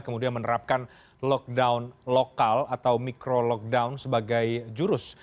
kemudian menerapkan lockdown lokal atau micro lockdown sebagai jurus